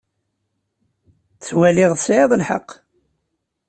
Ttwaliɣ tesɛiḍ lḥeqq.